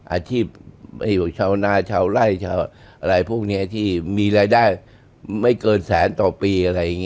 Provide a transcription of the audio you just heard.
อาชีพชาวนาชาวไร้ที่มีรายได้ไม่เกินแสนต่อปี